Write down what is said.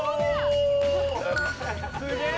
すげえ。